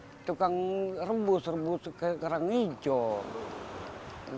kita harus rebus rebus kerang hijau